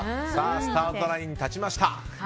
スタートラインに立ちました。